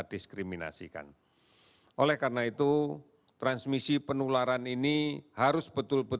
terima kasih karena semuanya vouker ya